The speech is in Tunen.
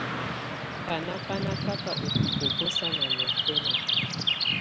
Banà bá nà kaka ù bikoko sana niɔ̀fɛ̀na.